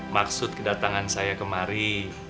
maksud kedatangan saya kemari